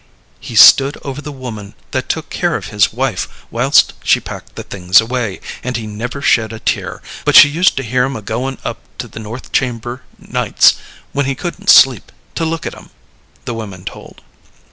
"He stood over the woman that took care of his wife whilst she packed the things away, and he never shed a tear, but she used to hear him a goin' up to the north chamber nights, when he couldn't sleep, to look at 'em," the women told.